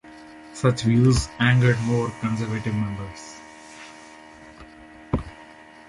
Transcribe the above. Such views angered more conservative members.